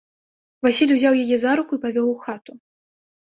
Васіль узяў яе за руку і павёў у хату.